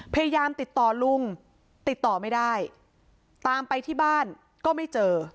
พยายามติดต่อลุงติดต่อไม่ได้ตามไปที่บ้านก็ไม่เจอ